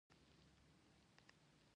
دا هم د دوی لپاره دلیل نه شي کېدای